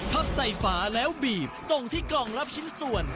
พับใส่ฝาแล้วบีบส่งที่กล่องรับชิ้นส่วน